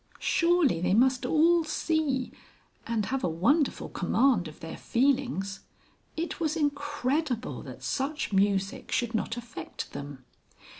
Surely they must all see ... and have a wonderful command of their feelings. It was incredible that such music should not affect them.